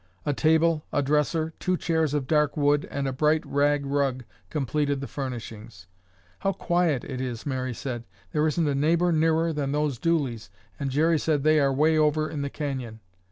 A table, a dresser, two chairs of dark wood and a bright rag rug completed the furnishings. "How quiet it is," Mary said. "There isn't a neighbor nearer than those Dooleys and Jerry said they are way over in the canyon."